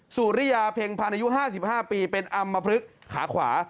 สุริยาเพ็งพันธ์อายุ๕๕ปีเป็นอำมพลึกขาขวา